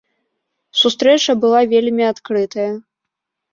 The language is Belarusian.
Сустрэча была вельмі адкрытая.